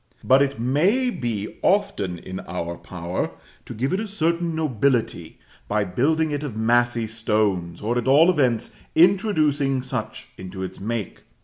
But it may be often in our power to give it a certain nobility by building it of massy stones, or, at all events, introducing such into its make.